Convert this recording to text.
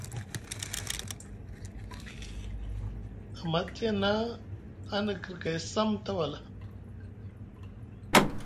Amma tiyana ani kirkay sam tawala.